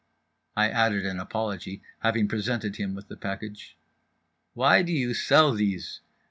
_" I added an apology, having presented him with the package. "Why do you shell out these?